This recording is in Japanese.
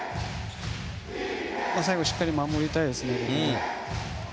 最後しっかり守りたいですね。